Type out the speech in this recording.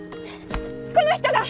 この人が